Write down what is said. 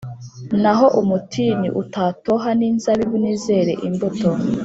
“Naho umutini utatoha n’inzabibu ntizere imbuto